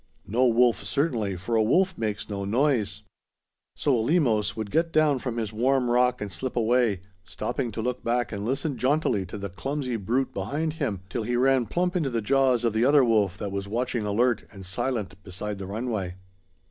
No wolf certainly, for a wolf makes no noise. So Eleemos would get down from his warm rock and slip away, stopping to look back and listen jauntily to the clumsy brute behind him, till he ran plump into the jaws of the other wolf that was watching alert and silent beside the runway.